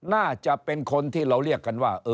น่าจะเป็นคนที่เราเรียกกันว่า